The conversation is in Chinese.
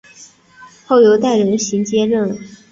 后由戴仁行接任。